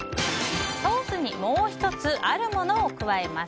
ソースにもう１つあるものを加えます。